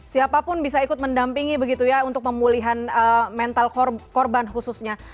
siapapun bisa ikut mendampingi begitu ya untuk pemulihan mental korban khususnya